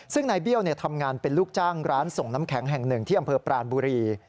ซึ่งนายเบี้ยวทำงานเป็นลูกจ้างร้านส่งน้ำแข็งแห่งหนึ่งที่อำเภอปรานบุรี